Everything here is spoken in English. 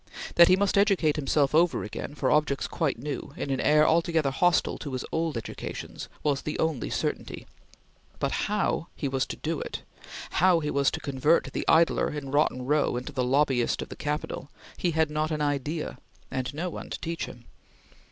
That he must educate himself over again, for objects quite new, in an air altogether hostile to his old educations, was the only certainty; but how he was to do it how he was to convert the idler in Rotten Row into the lobbyist of the Capital he had not an idea, and no one to teach him.